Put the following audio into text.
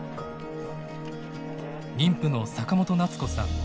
妊婦の坂本なつ子さん。